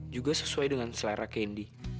juga sesuai dengan selera kendi